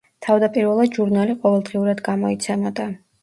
თავდაპირველად ჟურნალი ყოველდღიურად გამოიცემოდა.